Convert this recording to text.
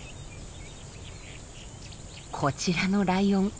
こちらのライオン。